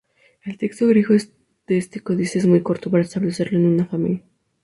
El texto griego de este códice es muy corto para establecerlo en una familia.